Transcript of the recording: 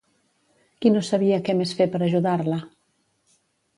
Qui no sabia què més fer per ajudar-la?